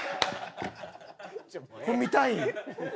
これ見たいん？